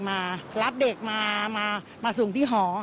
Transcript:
พูดลูก